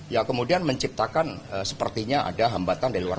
ya kemudian menciptakan sepertinya ada hambatan dari luar